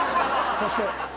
そして。